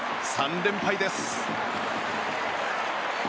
３連敗です。